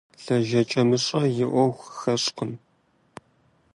ЛэжьэкӀэмыщӀэ и Ӏуэху хэщӀыркъым.